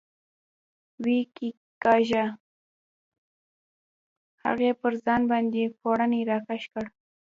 ویې کېکاږه، هغې پر ځان باندې پوړنی را کش کړ.